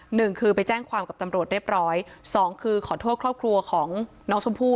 หนึ่งคือไปแจ้งความกับตำรวจเรียบร้อยสองคือขอโทษครอบครัวของน้องชมพู่